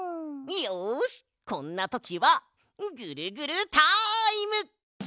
よしこんなときはぐるぐるタイム！